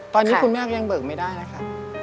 ตอนนี้คุณแม่ก็ยังเบิกไม่ได้นะคะ